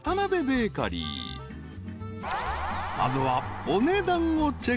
［まずは］